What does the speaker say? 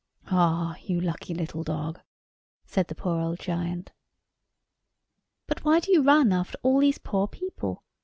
Ah, you lucky little dog!" said the poor old giant. "But why do you run after all these poor people?"